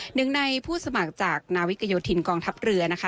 หนึ่งในผู้สมัครจากนาวิกโยธินกองทัพเรือนะคะ